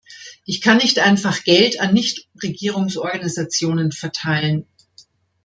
Ich kann nicht einfach Geld an Nichtregierungsorganisationen verteilen.